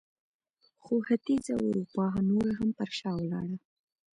خو ختیځه اروپا نوره هم پر شا ولاړه.